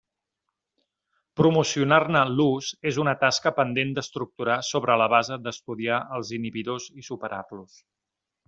Promocionar-ne l'ús és una tasca pendent d'estructurar sobre la base d'estudiar els inhibidors i superar-los.